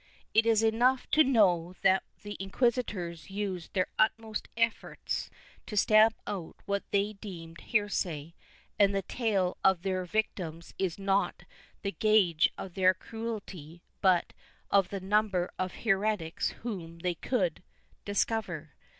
It is enough to know that the inquisitors used their utmost efforts to stamp out what they deemed heresy, and the tale of their vic tims is not the gauge of their cruelty but of the number of heretics whom they could discover.